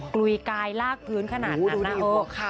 ลุยกายลากพื้นขนาดนั้น